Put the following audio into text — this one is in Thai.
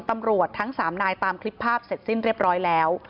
ตำรวจทั้ง๓นายตามคลิปภาพเสร็จสิ้นเรียบร้อยแล้ว